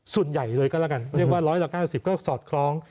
ส่วนใหญ่เลยก็แล้วกันเรียกว่าร้อยละ๙๐ก็สอดคล้อง